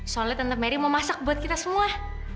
soalnya tante merry mau masak buat kita semua